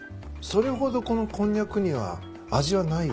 それほどこのこんにゃくには味はない？